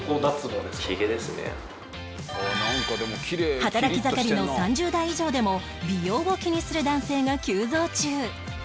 働き盛りの３０代以上でも美容を気にする男性が急増中